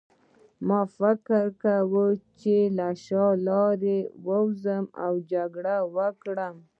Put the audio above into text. ما فکر وکړ چې له شا لارې ووځم او جګړه وکړم